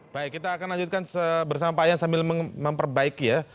baik kita akan lanjutkan bersama pak yan sambil memperbaiki ya